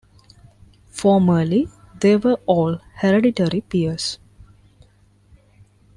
Formerly, they were all hereditary peers.